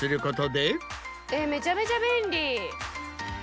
えっめちゃめちゃ便利。